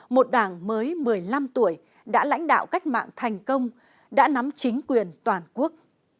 một đảng mới một mươi năm tuổi đã lãnh đạo cách mạng thành công đã nắm chính quyền toàn quốc